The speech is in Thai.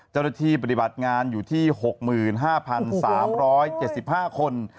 เจ้าหน้าที่ปฏิบัติงานอยู่ที่๖๕๓๗๕คน